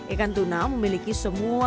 ikan tuna memiliki semuanya